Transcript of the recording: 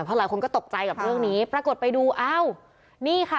เพราะหลายคนก็ตกใจกับเรื่องนี้ปรากฏไปดูอ้าวนี่ค่ะ